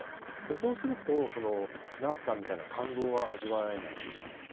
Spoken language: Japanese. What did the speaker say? そうするとそのナースさんみたいな感動は味わえないんですよね。